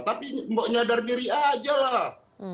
tapi mbok nyadar diri aja lah